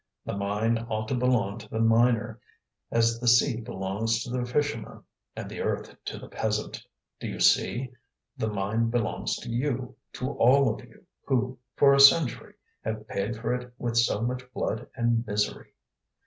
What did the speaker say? "The mine ought to belong to the miner, as the sea belongs to the fisherman, and the earth to the peasant. Do you see? The mine belongs to you, to all of you who, for a century, have paid for it with so much blood and misery!"